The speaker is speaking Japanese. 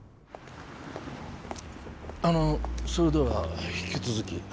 あのそれでは引き続き。